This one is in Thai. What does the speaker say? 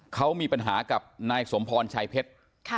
เขามีปัญหากับนายสมพรชัยเพชร